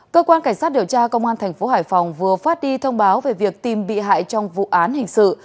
cơ quan cảnh sát điều tra công an tp hcm vừa phát đi thông báo về việc tìm bị hại trong vụ án hình sự